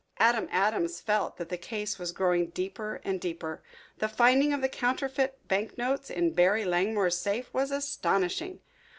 Adam Adams felt that the case was growing deeper and deeper. The finding of the counterfeit banknotes in Barry Langmore's safe was astonishing.